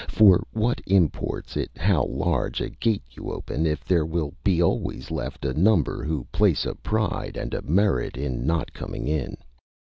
For what imports it how large a gate you open, if there will be always left a number who place a pride and a merit in not coming in?